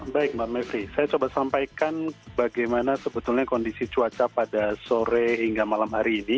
baik mbak mepri saya coba sampaikan bagaimana sebetulnya kondisi cuaca pada sore hingga malam hari ini